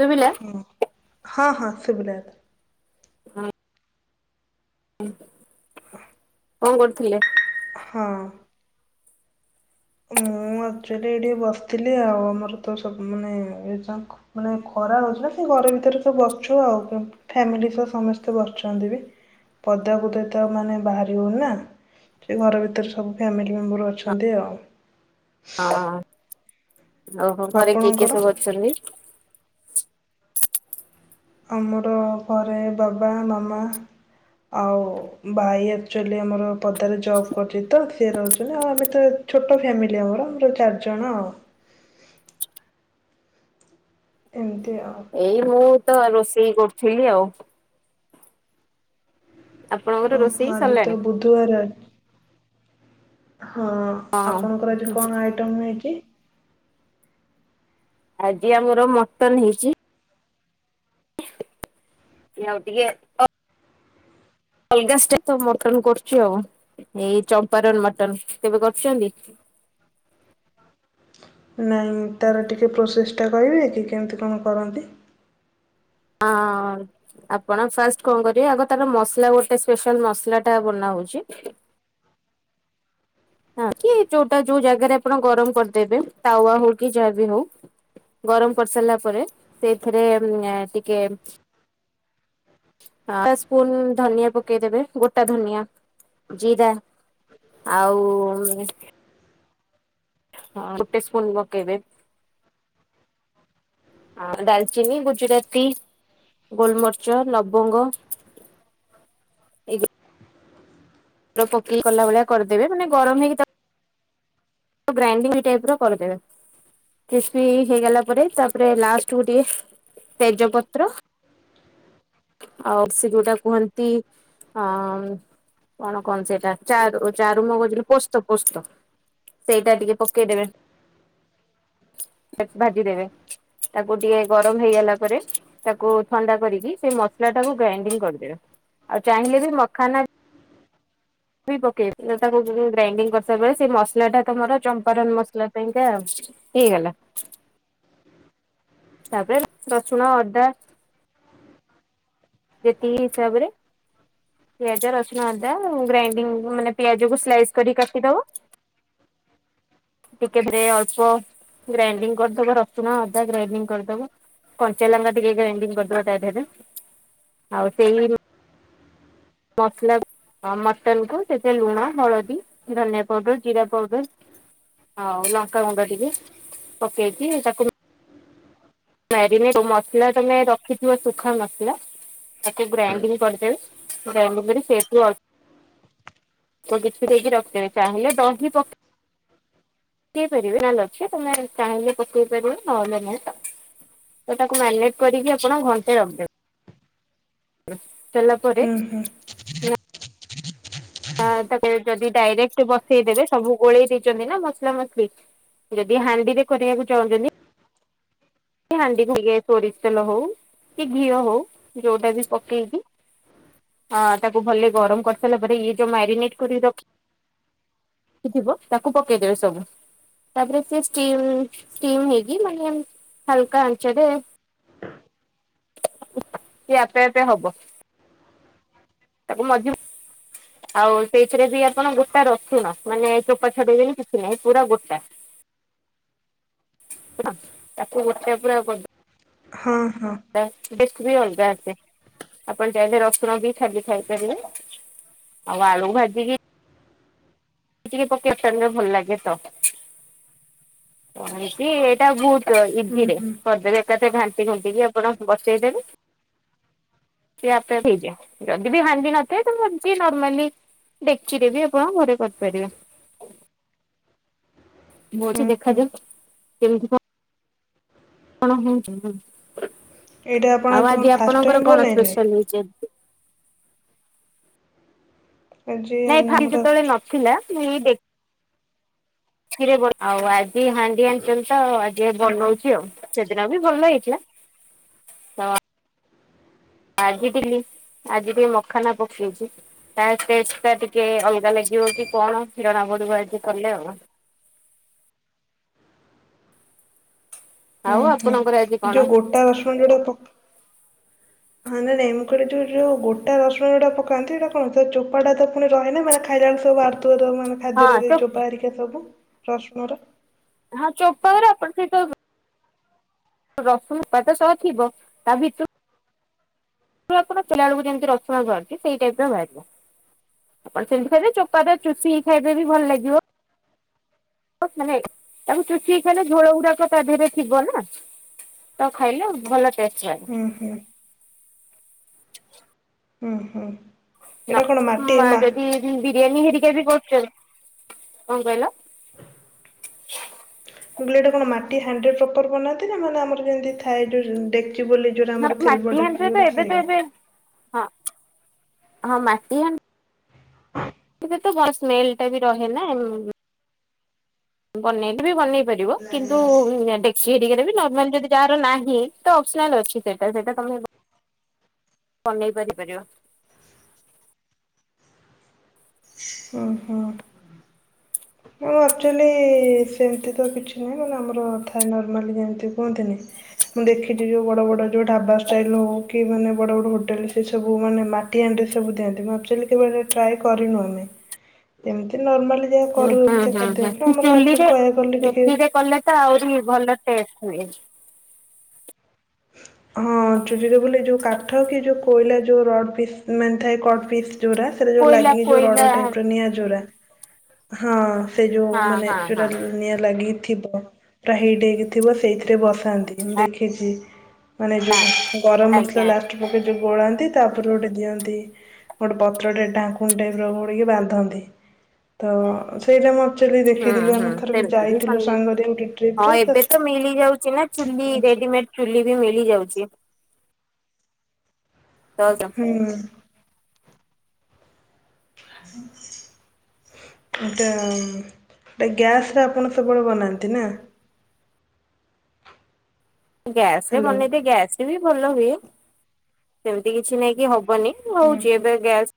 ଶୁଭିଲା ହୁଁ ହଁ ହଁ ହଁ ଶୁଭିଲା ଏଥର ହୁଁ। ହ। କଣ କରୁଥିଲେ। ହଁ। ମୁଁ ଆକ୍ଚୁଆଲି ଏଇଠି ବସିଥିଲି ଆଉ ଆମର ତ ସବୁ ମାନେ ଏ ଯା ମାନେ ଖରା ହଉଛି ନା ସେ ଘରେ ଭିତରେ ସବୁ ବସିଛୁ ଆଉ ଫ୍ୟାମିଲି ସହ ସମସ୍ତେ ବସିଛନ୍ତି ବି ପଦାକୁଦ ଏତେ ମାନେ ବାହାରିି ହଉନି ନା ସେ ଘର ଭିତରେ ସବୁ ଫ୍ୟାମିଲି ମେମ୍ବର ଅଛନ୍ତି ଆଉ ହଁ ଆଉ ହୋ ଘରେ କିଏ କିଏ ଆପଣଙ୍କର? ସବୁ ଅଛନ୍ତି? ଆମର ଘରେ ବାବା ମାମା ଆଉ ଭାଇ ଆକ୍ଚୁଆଲି ଆମର ପଦାରେ ଜବ୍ କରୁଛି ତ ସି ରହୁଛନ୍ତି ଆଉ ଆମେ ତ ଛୋଟ ଫ୍ୟାମିଲି ଆମର ଯେଉଁ ଚାରିଜଣ ଆଉ ଏମିତି ଆଉ। ଏଇ ମୁଁ ତ ରୋଷେଇ କରୁଥିଲି ଆଉ। ଆପଣଙ୍କର ଓହୋ ରୋଷେଇ ଆଜି ତ ସରିଲାଣି? ବୁଧବାର ହଁ ହଁ ଆପଣଙ୍କର ଆଜି କଣ ଆଇଟମ ହେଇଛି? ଆଜି ଆମର ମଟନ ହେଇଛି। ଇଏ ଆଉ ଟିକେ ଅଲଗା ସାଟାଇଲ ରେ ମଟନ କରୁଛି ଆଉ ଏଇ ଚମ୍ପାରନ୍ ମଟନ କେବେ କରିଛନ୍ତି। ନାଇଁ ତାର ଟିକେ ପ୍ରୋସେସ ଟା କହିବେ କି କେମିତି କଣ କରନ୍ତି। ଆଁ ଆପଣ ଫାଷ୍ଟ କଣ କରିବେ ଆଗ ତାର ମସଲା ଗୋଟେ ସ୍ପେଶାଲ ମସଲା ଟା ବନା ହଉଛି ହଁ କି ଯୋଉଟା ଯୋଉ ଜାଗାରେ ଆପଣ ଗରମ କରିଦେବେ ତାୱା ହଉ କି ଯାହାବି ହଉ ଗରମ କରି ସାରିଲା ପରେ ସେଇଥିରେ ଟିକେ ହାଫ୍ ସ୍ପୁନ୍ ଧନିଆ ପକେଇଦବେ ଗୋଟା ଧନିଆ, ଜିରା ଆଉ ଉମ ହଁ ଗୋଟେ ସ୍ପୂନ ପକେଇବେ ଆ ଡାଲଚିନି ଗୁଜୁରାତି ଗୋଲମରିଚ ଲବଙ୍ଗ ପକେଇକି କଲା ଭଳିଆ କରିଦେବେ ମାନେ ଗରମ ହେଇକି ତା ଗ୍ରାଇଣ୍ଡିଙ୍ଗଇ ଟାଇପ ର କରିଦେବେ ରେସ୍ପି ହେଇଗଲା ପରେ ତାପରେ ଲାଷ୍ଟ ଗୋଟିଏ ତେଜପତ୍ର ଆଉ ସେ ଯୋଉଟା କୁହନ୍ତି ଅ କଣ କଣ ସେଇଟା ଚ ଚାରୁ ମଗ ପୋସ୍ତ ପୋସ୍ତ ସେଇଟା ଟିକେ ପକେଇଦବେ ତାଙ୍କୁ ଭାଜିଦେବେ ତାକୁ ଟିକେ ଗରମ ହେଇଗଲା ପରେ ତାକୁ ଥଣ୍ଡା କରିକି ସେ ମସଲା ଟାକୁ ଗ୍ରାଇଣ୍ଡିଙ୍ଗ କରିଦେବା ଆଉ ଚାହିଁଲେ ବି ମଖାନା ପକେଇବି ତାକୁ ଗ୍ରାଇଣ୍ଡିଙ୍ଗ କରିସା ବଳେ ସେ ମସଲା ଟା ତମର ଚମ୍ପାରନ୍ ମସଲା ପାଇଁକା ଆଉଛି ହଇଗଲା। ତାପରେ ରସୁଣ ଅଦା ଯେତିକି ହିସାବ ରେ ପିଆଜ ରସୁଣ ଅଦା ଗ୍ରାଇଂଙ୍ଗ ମାନେ ପିଆଜକୁ ସ୍ଲାଇସ୍ କରିକି କାଟିଦବ ଟ କେବେ ଅଳ୍ପ ଗ୍ରାଇଣ୍ଡିଂ କରିଦବ ରସୁଣ ଅଦା ଗ୍ରାଇଣ୍ଡିଙ୍ଗ କରିଦବ କଞ୍ଚା ଲଙ୍କା ଟିକେ ଗାଡିଙ୍ଗ କରିଦବ ତାଥିରେ ଆଉ ସେଇ ରୁ ମସଲାକୁ ହ ମଟନକୁ ସେଥିରେ ଲୁଣ ହଳଦୀ ଧନିଆ ପାଉଡର ଜିରା ପାଉଡର ଆଉ ଲଙ୍କାଗୁଣ୍ଡ ଟିକେ ପକେଇକି ତାକୁ ମାରିନେଟ ମସଲା ତମେ ରଖିିଥିବ ଶୁଖା ମସଲା ତାକୁ ଗ୍ରାଇଣ୍ଡିଙ୍ଗ କରିଦେବେ ଗ୍ରାଇଣ୍ଡିଂ କରି ସେଠୁ ଅ ତ କିଛି ଦେଇକି ରଖିଦେବେ ଚାହିଁଲେ ଦହି ପକ ପକେଇ ପାରିବେ ନାଲେ ଅଛି ତମେ ଚାହିଲେ ପକେଇ ପାରିବି ନହଲେ ନାଇଁ ତା ତ ତାକୁ ମ୍ୟାରିନେଟ଼ କରିକି ଆପଣ ଘଣ୍ଟେ ରଖିଦେବେ ତେଲ ପରେ ହୁଁ ହୁଁ ଆଁ ତାପରେ ଯଦି ଡାଇରେକ୍ଟ ବସେଇଦବେ ସବୁ ଗୋଳେଇ ଦେଇଚନ୍ତିନା ମସଲା ମସଲି ଯେଦି ହାଣ୍ଡିରେ କରିବାକୁ ଚାହୁଁଚନ୍ତି କି ହାଣ୍ଡି ଇଏ ସୋରିଷ ତେଲ ହଉ କିଘିଅ ହଉ ଯୋଉଟାବି ପକେଇକି ହଁ ତାକୁ ଭଲ ଗରମ କରିସାରିଲା ପରେ ଇଏ ଯୋଉ ମ୍ୟାରିନେଟ୍ କରି ରଖି ଥିବ ତାକୁ ପକେଇଦେବେ ସବୁ। ତାପରେ ସେ ଷ୍ଟିମ୍ ଷ୍ଟିମ୍ ହେଇକି ମାନେ ହଲୁକା ଆଞ୍ଚରେ ସେ ଆପେ ଆପେ ହବ ତାକୁ ମଝି ଆଉ ସେଇଥିରେବି ଆପଣ ଗୋଟା ରଶୁଣ ମାନେ ଚୋପା ଛଡ଼େଇବେନି କିଛି ନାଇଁ ପୁରା ଗୋଟା ହେଲା ତାକୁ ଗୋଟା ପୁରା କରି ହଁ ହଁ। ଦେଖିବେ ଅଲଗା ଏ ଆପଣ ଚାହିଲେ ରସୁଣବି ଖାଲି ଖାଇପାରିବେ ଆଉ ଆଳୁ ଭାଜିିକି ଖୁସିରେ ପକେଇବା [unintelligible] ଭଲ ଲାଗେତ ଏମିତି ଏଇଟା ବହୁତ ହୁଁ ଇଜିରେ ହୁଁ କରିଦେବେ ଏକାଥରେ ଘାଣ୍ଟି ଫୁଣ୍ଟିକି ଆପଣ ବସେଇଦେବେ ସିଏ ଆପେ ଆପେ ହେଇଯାଏ ଯଦିବି ହାଣ୍ଡି ନଥାଏ ତ ଯିଏ ନର୍ମାଲି ଡେକିଚିରେବି ଆପଣ ଘରେ କରିପାରିବେ। ମୁଅଛି ହୁଁ ହୁଁ ଦେଖାଯାଉ କେମିତି କଁ କଣ ହଉଚି ଏଇଟା ଆପଣ ଆଉ କଣ ଆଜି ଫାଷ୍ଟ ଟାଇମ୍ ଆପଣଙ୍କର କଣ ବନେଇଲେ? ସ୍ପେଶାଲ ହେଇଚି ଆ ଆଜି ନାଇଁ ଫାଷ୍ଟେ ଆମର ସେତେବେଳେ ନଥିଲା ମୁଁ ଏଇ ଦେ ଥିରେ ଆଉ ଆଜି ହାଣ୍ଡି ଆଣିଚନ୍ତିତ ଆଉ ଆଜି ବନଉଚି ଆଉ ସେଦିନବି ଭଲ ହେଇଥିଲା। ତ ଆଜି ି ଆଜି ଟିକେ ମଖାନ ପକେଇଚି ତା ଟେଷ୍ଟେଟା ଟିକେ ଅଲଗା ଲାଗିବ କି କଣ ଜଣାପଡ଼ିବ ଏଇଠୁ କଲେ ଆଉ। ହଁ ଆଉ ହୁଁ ଆପଣଙ୍କର ଆଜି କଣ? ଯୋଉ ଗୋଟା ରଶୁଣ ଯଉଟା ପ [inaudible] ହଁ ନାଇ ନାଇ ମୁଁ କଇଲି ଯୋଉ ଯୋଉ ଗୋଟା ରସୁଣ ଯଉଟା ପକାନ୍ତି କଣ ଚୋପାଟାତ ପୁଣି ରହେନା ମାନେ ଖାଇଲା ବେଳେ ସବୁ ବା ମାନେ ଖାଦ୍ୟରେ ହଁ ଯେଦି ଚୋ ଚୋପାହେରିକା ସବୁ ରସୁଣର? ହଁ ଚୋପା ଗୁରା ଆପଣ ରସୁଣ ଚୋପାଟା ସହ ଥିବ ତାଭିତ [unintelligible] ଯେମିତି ରସୁଣ ବାହାରୁଚି ସେଇ ଟାଇପର ବାହାରିବ। ଆପଣ ସେମିତି ଖାଇବେ ଚୋପାଟା ଚୁଷିକି ଖାଇବେ ବି ଭଲ ଲାଗିବ। ମାନେ, ତାକୁ ଚୁଚି କି ଖାଇଲେ ଝୋଳ ଗୁଡାକ ତା ଦେହରେ ଥିବ ନା ତ ଖାଇଲ ଭଲ ଟେଷ୍ଟ [unintelligible] ହୁଁ ହୁଁ। ଉ ହୁଁ। ଏଇଟା କଣ ମାଟି ନା ମା ଯଦି ମୁଁ ବିରିୟାନୀ ହେରିକା ବି କରୁଛନ୍ତି। କଣ କହିଲ? ମୁଁ କହିଲି ଏଇଟା କଣ ମାଟି ହାଣ୍ଡି ରେ ପ୍ରପର୍ ବନାନ୍ତି, ନା ମାନେ ଆମର ଯେମିତି ଥାଏ ଯେଉ ଡେକିଚି ବୋଲି ଯୋଉଟା ନା ଆମର ସିଲଭର ମାଟି ଡେକ୍ଚି ହାଣ୍ଡି ରେ ଯୋଉଟା ତ ଏବେ ତ ସେଇରା ଏବେ ହଁ, ହଁ ମାଟି ହାଣ୍ଡି [inaudible] ତ ଭଲ ସ୍ମେଲ୍ ଟା ବି ରହେ ନା। [unintelligible] ବନେଇଲେ ବି ବନେଇ ପାରିବ, କିନ୍ତୁ ହେଡେକ୍ ସେ ଦିଗରେ ବି ନର୍ମାଲ ଯଦି ଯାହାର ନାହିଁ, ତ ଅପସନାଲ ଅଛି ସେଇଟା ସେଇଟା ତମେ ବନେଇ ପାରି ପାରିବ। ଓହୋ। ମଁ ଆକ୍ଚୁଲି ସେମିତି ତ କିଛି ନୁଏଁ, ମାନେ ଆମରଥାଏ ନର୍ମାଲି ଯେମିତି କୁହନ୍ତିନି। ମୁଁ ଦେଖିଛି, ଯୋଉ ବଡ଼ ବଡ଼ ଯୋଉ ଢାବା ଷ୍ଟାଇଲ୍ ହଉ କି ମାନେ ବଡ଼ ବଡ଼ ହୋଟେଲ ସେ ସବୁ ମାନେ ମା ଟି ହାଣ୍ଡି ରେ ସବୁ ଦିଅନ୍ତି। ମୁଁ ଆକଚୁଆଲି କେବେ ଟ୍ରାୟ କରିନୁ ଆମେ, ଏମିତି ନର୍ମାଲି ଯାଏ। ହଁ ହଁ ହଁ ସେ ଚୁଲିରେ, ଗଲେ ଟିକେ ଚୁଲିରେ କଲେ ତ ଆହୁରି ଭଲ ଟେଷ୍ଟ ହୁଏ। ହଁ ଚୁଲିରେ ବୋଲି ଯୋଉ କାଠ କି ଯୋଉ କୋଇଲା ଯେଉ ରଡ଼୍ ପିସ୍ ମାନେ ଥାଏ କଟ୍ ପିସ୍ ଯୋଉଁଗୁରା [unintelligible] ଯୋଉ କୋଇଲା ଲାଗି ଯୋଉ କୋଇଲା ରଡ ହଁ ଟାଇପର୍ ନିଆଁ ଯୋରା, ହଁ ସେ ଯୋଉ ମାନେ ହଁ ଯୋଉଟା ହଁ ନିଆଁ ରେ ଲାଗିକିଥିବ। ପୁରା ହିଟ୍ ହେଇକି ଥିବ ସେଇଥିରେ ବସାନ୍ତି ମୁଁ ଦେଖିଚି। ମାନେ ଯୋଉ ଗରମ ମସଲା ଆଜ୍ଞା ଲାଷ୍ଟ ପକାଇ ଯେଉଁ ଗୋଳାନ୍ତି, ତାପରେ ଗୋଟେ ଦିଅନ୍ତି। ଗୋଟେ ପତ୍ରଟେ ଢାଙ୍କୁଣି ଟାଇପ୍ ର ଗୋଡ଼ିକି ବାନ୍ଧନ୍ତି ତ ସେଇଟା ମୁଁଏକ୍ଯୁଚେଲି ହୁଁ ଦେଖେଇଥିଲି। ହୁଁ ଆମେ ଥରେ ଵି ସେମିତି ବି ଯାଇଥିଲୁ ବନେଇ ସାଙ୍ଗରେ ଗୋଟେ ଟ୍ରିପ ରେ ତ ସେ ସେମିତି ରେଡିମେଡ୍ ଚୁଲି ବି ମିଳି ଯାଉଚି। ତ ହୁଁ। [inaudible] ଏଟା ଏ ଗ୍ୟାସ ରେ ଆପଣ ସବୁବେଳେ ବନାନ୍ତି ନା? ଗ୍ୟାସ ରେ ହ୍ୟାଲୋ ବନେଇଦିଏ, ଗ୍ୟାସରେ ବି ଭଲ ହୁଏ। ସେମିତି କିଛି ନାଇକି ହବନି। ହୁଁ ହଉଚି ହୁଁ ଏବେ ଗ୍ୟାସ୍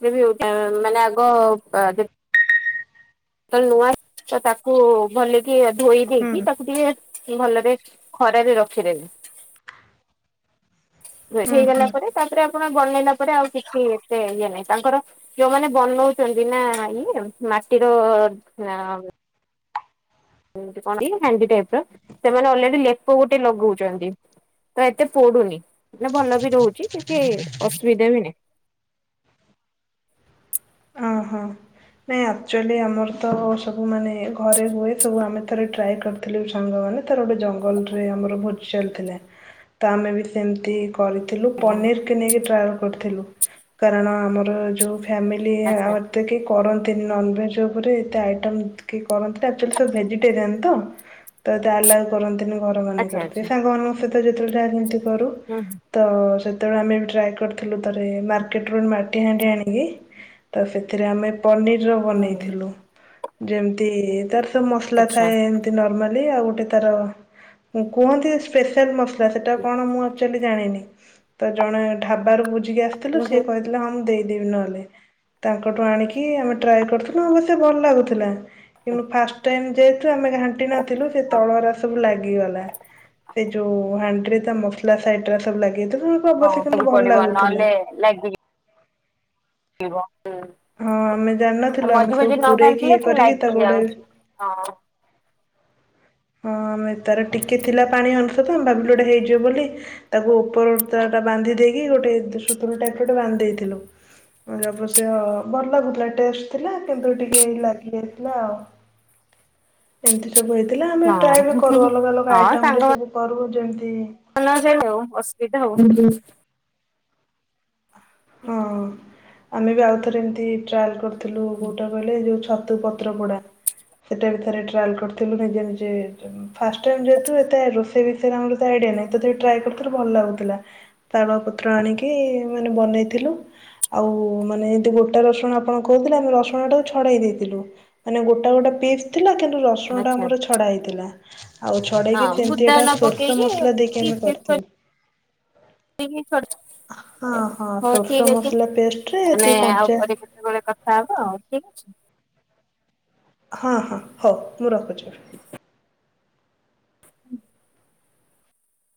[unintelligible] ଟା ମାନେ ଆଗ ନୂଆ ତ ତାକୁ ଭଲକି ହୁଁ ଧୋଇଦେଇକି ତାକୁ ଟିକେ [unintelligible] ଭଲରେ ଖରାରେ ରଖିଦେବେ। ହୁଁ ହୁଁ ହେଇଗଲା ପରେ, ତାପରେ ଆପଣ ବନେଇଲା ପରେ ଆଉ କିଛି ଏତେ ଇଏ ନାହିଁ ତାଙ୍କର, ଯୋଉମାନେ ବନଉଛନ୍ତି ନା ଇଏ ମାଟିର, [unintelligible] କଣ ଏ ହାଣ୍ଡି ଟାଇପ୍ ର, ସେମାନେ ଅଲରେଡି ଲେପ ଗୋଟେ ଲଗଉଚନ୍ତି। ତ ଏତେ ପୋଡୁନି ମାନେ ଭଲ ବି ରହୁଚି କିଛି ଅସୁବିଧା ବି ନାହିଁ। ଆ ହୋ। ନାଇଁ, ଆକ୍ଚୁଆଲି ଆମର ତ ସବୁ ମାନେ ଘରେ ହୁଏ। ସବୁ ଆମେ ଥରେ ଟ୍ରାଏ କରୁ। ଥିଲୁ ସାଙ୍ଗମାନେ, ତାର ଗୋଟେ ଜଙ୍ଗଲରେ ଆମର ଭୋଜି ଚାଲିଥିଲା। ତ ଆମେ ବି ସେମିତି କରିଥିଲୁ, ପନିର କି ନେଇକି ଟ୍ରାଅ କରିଥିଲୁ। କାରଣ ଆମର ଯୋଉ ଫ୍ୟାମି ଲି ଏ ଆଚ୍ଛା [unintelligible] ଏତେ କେହି କରନ୍ତିନି, ନନଭେଜ ଉପରେ ଏତେ ଆଇଟମ୍ କେହି କରନ୍ତିତ ଏଚୁଆଲି ସବୁ ଭେଜିଟେରିଆନ ତ? ତ ଆଲାଉ କରନ୍ତିନି ଘର ଆଚ୍ଛା ମାନଙ୍କରେ। ଆଚ୍ଛା ସାଙ୍ଗମାନାନଙ୍କ ସହିତ ଯେତେବେଳେ ଯାହା କେମିତି କରୁ। ହୁଁ ତ ସେତେବେଳେ ଆମେ ବି ଟ୍ରାଏ କରିଥିଲୁ ଥରେ, ମାର୍କେଟରୁ ମାଟି ହାଣ୍ଡି ଆଣିକି। ତ ସେଥିରେ ଆମେ ପନିରର ହୁଁ ବନେଇଥିଲୁ, ଯେମିତି ତାର ମସଲା ଆଚ୍ଛା ଥାଏ ଏମତି ନର୍ମାଲି ଆଉ ଗୋଟେ ତାର, କୁହନ୍ତି ସ୍ପେଶାଲ ମସ ଲା ସେଟା କଣ ମୁଁ ଆକ୍ଚୁଆଲି ଜାଣିନି, ତ ଜଣେ ଢାବାରୁ ବୁଝିକି ଆସିଥିଲୁ ସିଏ କହି ଥିଲା ହଁ ମୁଁ ଦେଇଦେବି ନହେଲେ, ତାଙ୍କଠୁ ଆଣିକି ଆମେ ଟ୍ରାଏ କରିଥିଲୁ ଅବଶ୍ୟ ଭଲ ଲାଗୁଥିଲା। କିନ୍ତୁ ଫାଷ୍ଟ ଟାଇମ୍ ଯେ ଆମେ ଘାଣ୍ଟି ନଥିଲୁ ସେ ଖାଇବାକୁ ତଳରା ସବୁ ଲାଗିଗଲା, ସେ ଯୋଉ ହାଣ୍ଡିରେ ତା ମ ଲା ସାଇଟ୍ ର ସବୁ ଲାଗିଥିଲା, ତ ଅବଶ୍ୟ କିନ୍ତୁ ଭଲ ଲାଗୁଥିଲା। ଲାଗୁଚି [unintelligible] ହୁଁ, ହଁ ଆମେ ଆଉ ଜାଣିନଥିଲୁ ଆମେ ମଝି ସବୁ ମଝିରେ ନ ପୂରେଇକି ଇଏ ଘାଣ୍ଟିଲେ ସେ କରିକି ଲାଗି ତାକୁ ଗୋଟେ ଯାଉଛି। ହଁ। ହଁ ଆମେ, ତାର ଟିକେ ଥିଲା ପାଣି ଅଂଶ ତ ଆମ ଭାବିଲୁ ଗୋଟେ ହେଇଯିବ ବୋଲି ତାକୁ ଉପର ତାର ଟା ବାନ୍ଧି ଦେଇକି ଗୋଟେ ସୁତୁଲି ଟାଇପର ଗୋଟେ ବାନ୍ଧି ଦେଇଥିଲୁ। ଅବଶ୍ୟ ଭଲ ଲାଗୁଥିଲା, ଟେଷ୍ଟ ଥିଲା କିନ୍ତୁ ଟିକେ ଲାଗିଯାଇଥିଲା ଆଉ। ଏମିତି ସବୁ ହେଇଥିଲା, ଆମେ ଟ୍ରାଏ ବି ହଁ କରୁ ଅଲଗା ଅଲଗା ଆଇଟମରେ ସବୁ କରୁ, ଯେମିତି [unintelligible] ହଉ ଅସୁବିଧା ଆଉ। ହଁ, ଆମେ ବି ଆଉଥରେ ଏମିତି ଟ୍ରାଏଲ୍ କରିଥିଲୁ, କୋଉଟା କହିଲେ? ଏ ଯୋଉ ଛତୁ ପ ତ୍ର ପୋଡା, ସେଟା ବି ଥରେ ଟ୍ରାଏଲ୍‌ କରିଥିଲୁ ନିଜେ ନିଜେ ଫାଷ୍ଟ ଟାଇମ୍ ଯେହେତୁ, ଏତେ ରୋଷେଇ ବିଷୟରେ ଆମର ଏତେ ଆଇଡ଼ିଆ ନାହିଁ, ତଥାପି ଟ୍ରାଏ କରିଥିଲୁ ଭଲ ଲାଗୁଥିଲା। ତାଳ ପତ୍ର ଆଣିକି, ମାନେ ବନେଇ ଥିଲୁ, ଆଉ ମାନେ [unintelligible] ଗୋଟା ରସୁଣ ଆପଣ କହୁଥିଲେ, ଆମେ ରସୁଣ ଟାକୁ ଛଡ଼େଇ ଦେଇଥିଲୁ, ମାନେ ଗୋଟା ଗୋଟା ପିସ୍‌ ଥିଲା କିନ୍ତୁ ରସୁଣ ଟା ଆଚ୍ଛା ଆମର ଛଡା ହେଇଥିଲା। ଆଉ ଛଡ଼େଇକି ହଁ ବୁଦା ନ [unintelligible] ସୋରିସ ପକେଇକି ମସଲା ଦେଇକି ଆମେ ପିସ୍ ପିସ୍ କରିଥିଲୁ। ହଁ ହଁ [unintelligible] ହଉ ସୋରିଷ ଠିକ ଅଛି, ମସଲା ପେଷ୍ଟରେ ଆମେ ଟିକେ ଆଉ କଞ୍ଚା କରିବୁ ସେତବେଳେ କଥା ହବ, ଠିକ ଅଛି। ହଁ ହଁ, ହଉ ମୁଁ ରଖୁଛି।